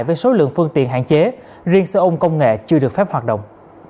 với số lượng phương tiện hạn chế riêng xe ôn công nghệ chưa được phép hoạt động